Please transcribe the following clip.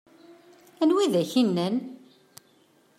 Anwa i ak-t-id-yennan?